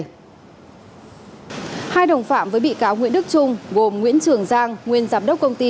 hai đồng phạm với bị cáo nguyễn đức trung gồm nguyễn trường giang nguyên giám đốc công ty